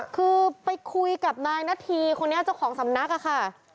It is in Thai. คือไปคุยกับนายนาธีคนนี้เจ้าของสำนักค่ะ